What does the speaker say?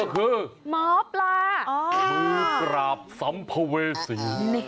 หมอปลาคือปราบสัมภเวษี